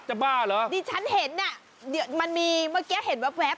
จับบ้าเหรอดิฉันเห็นนั่นมันมีเมื่อกี้เห็นแบบแพร๊บ